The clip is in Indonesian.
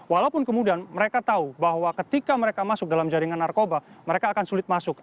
walaupun kemudian mereka tahu bahwa ketika mereka masuk dalam jaringan narkoba mereka akan sulit masuk